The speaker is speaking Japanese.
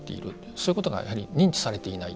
そういうことがやはり認知されていない。